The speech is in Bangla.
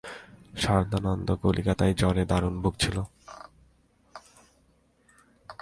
সারদানন্দ কলিকাতায় জ্বরে দারুণ ভুগছিল।